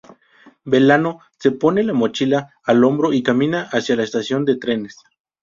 Belano se pone la mochila al hombro y camina hacia la estación de trenes.